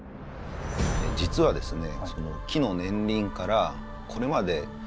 実はですね